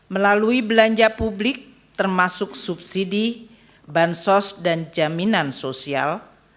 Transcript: melalui belanja publik termasuk subsidi bansos dan jaminan sosial